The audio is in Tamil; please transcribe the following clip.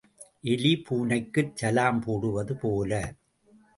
எலி பூனைக்குச் சலாம் போடுவது போல.